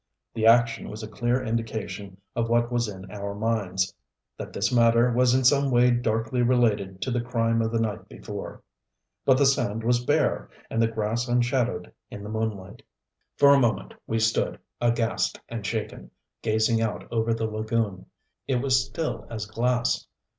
The action was a clear indication of what was in our minds that this matter was in some way darkly related to the crime of the night before. But the sand was bare, and the grass unshadowed in the moonlight. For a moment we stood, aghast and shaken, gazing out over the lagoon. It was still as glass.